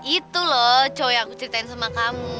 itu loh cowok yang aku ceritain sama kamu